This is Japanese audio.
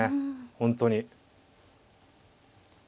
本当に。